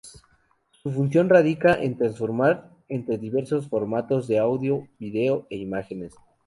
Su función radica en transformar entre diversos formatos de audio, video e imágenes.